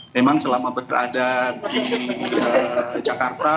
memang selama berada di jakarta